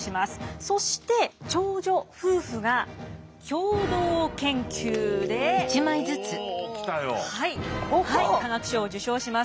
そして長女夫婦が共同研究で化学賞を受賞します。